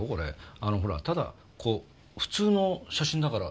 あのほらただ普通の写真だから。